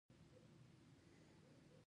د پلوشه راغلل مثال یې هم راووړ.